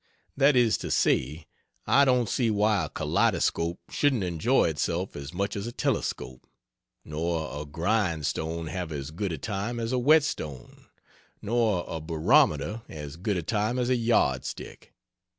That is to say, I don't see why a kaleidoscope shouldn't enjoy itself as much as a telescope, nor a grindstone have as good a time as a whetstone, nor a barometer as good a time as a yardstick.